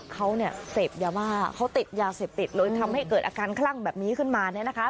เขาเนี่ยเสพยาบ้าเขาติดยาเสพติดเลยทำให้เกิดอาการคลั่งแบบนี้ขึ้นมาเนี่ยนะคะ